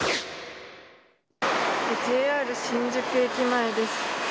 ＪＲ新宿駅前です。